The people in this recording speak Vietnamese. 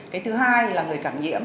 cái thứ hai là người cảm nhiễm